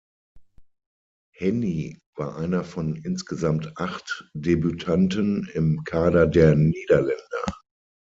Henny war einer von insgesamt acht Debütanten im Kader der Niederländer.